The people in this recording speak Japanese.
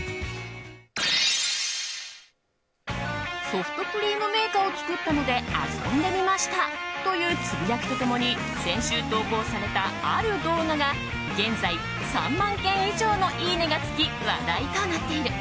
「ソフトクリームメーカーを作ったので遊んでみましたの動画」というつぶやきと共に先週投稿されたある動画が現在３万件以上のいいねが付き話題となっている。